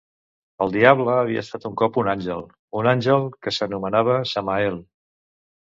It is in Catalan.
El Diable havia estat un cop un àngel, un àngel que s'anomenava Samael.